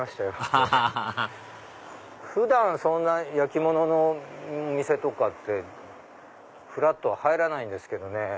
アハハハハ普段そんな焼き物の店とかってふらっとは入らないんですけどね。